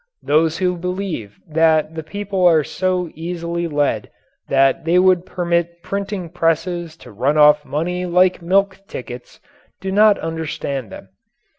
Those who believe that the people are so easily led that they would permit printing presses to run off money like milk tickets do not understand them.